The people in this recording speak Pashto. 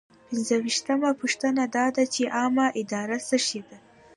پنځویشتمه پوښتنه دا ده چې عامه اداره څه شی ده.